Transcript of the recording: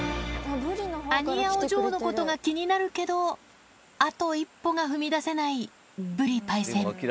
アニヤお嬢のことが気になるけど、あと一歩が踏み出せない、ぶりパイセン。